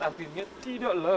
akhirnya tidak lho